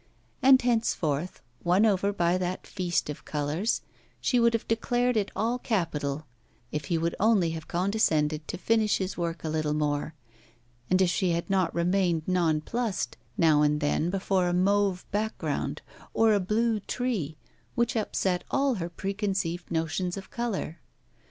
And henceforth, won over by that feast of colours, she would have declared it all capital if he would only have condescended to finish his work a little more, and if she had not remained nonplussed now and then before a mauve ground or a blue tree, which upset all her preconceived notions of colour.